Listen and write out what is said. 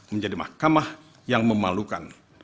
menjadi mahkamah yang memalukan